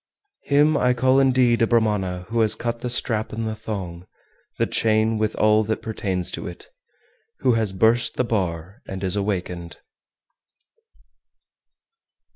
398. Him I call indeed a Brahmana who has cut the strap and the thong, the chain with all that pertains to it, who has burst the bar, and is awakened.